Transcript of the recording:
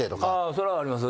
それはあります。